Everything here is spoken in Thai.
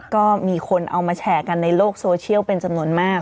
ก็มีคนเอามาแชร์กันในโลกโซเชียลเป็นจำนวนมาก